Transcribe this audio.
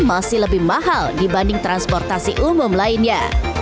masih lebih mahal dibanding transportasi umum lainnya